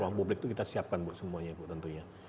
ruang publik itu kita siapkan bu semuanya bu tentunya